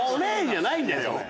じゃないんだよ。